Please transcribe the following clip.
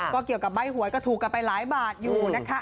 ก็เกี่ยวกับใบ้หวยก็ถูกกันไปหลายบาทอยู่นะคะ